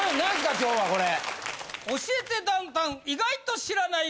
今日はこれ。